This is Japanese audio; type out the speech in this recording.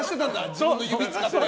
自分の指を使って。